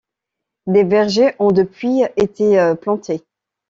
Des vergers ont depuis été plantés.